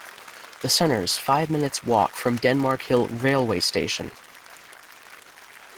The centre is five minutes walk from Denmark Hill railway station.